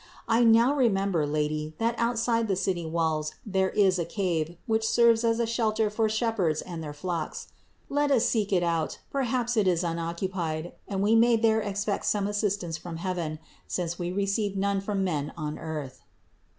I now remember, Lady, that outside the city walls there is a cave, which serves as a shelter for shepherds and their flocks. Let us seek it out ; perhaps it is unoccupied, and we may there expect some assistance from heaven, since we receive none from men on earth."